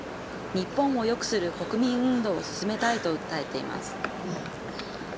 日本をよくする国民運動を進めたいと訴えています。